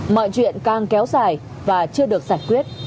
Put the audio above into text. mọi chuyện càng kéo dài và chưa được giải quyết